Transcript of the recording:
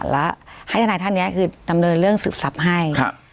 แล้วให้ทนายท่านนี้คือดำเนินเรื่องสืบทรัพย์ให้